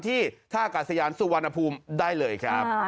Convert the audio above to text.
ที่ท่ากาศยานสุวรรณภูมิได้เลยครับ